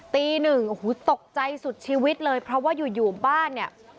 ตีหนึ่งโอ้โหตกใจสุดชีวิตเลยเพราะว่าอยู่อยู่บ้านเนี่ย